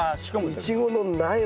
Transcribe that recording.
イチゴの苗をね